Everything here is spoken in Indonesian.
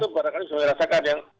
itu barangkali harus merasakan